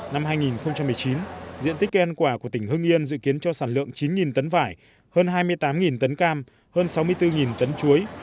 năm hai nghìn một mươi chín diện tích cây ăn quả của tỉnh hưng yên dự kiến cho sản lượng chín tấn vải hơn hai mươi tám tấn cam hơn sáu mươi bốn tấn chuối